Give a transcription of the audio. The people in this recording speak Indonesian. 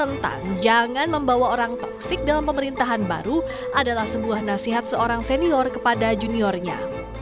tentang jangan membawa orang toksik dalam pemerintahan baru adalah sebuah nasihat seorang senior kepada juniornya